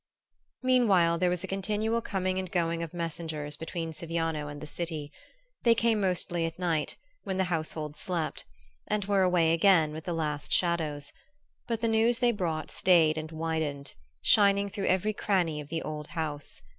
Meanwhile there was a continual coming and going of messengers between Siviano and the city. They came mostly at night, when the household slept, and were away again with the last shadows; but the news they brought stayed and widened, shining through every cranny of the old house.